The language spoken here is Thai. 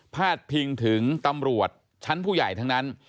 ดพิงถึงตำรวจชั้นผู้ใหญ่ทั้งนั้น